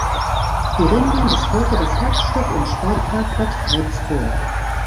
Die Rennbahn ist heute das Herzstück im "Sportpark Bad Harzburg".